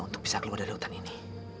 untuk bisa keluar dari hutan ini